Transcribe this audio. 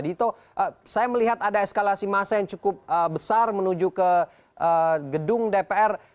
dito saya melihat ada eskalasi massa yang cukup besar menuju ke gedung dpr